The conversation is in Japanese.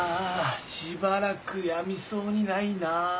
しばらくやみそうにないなぁ。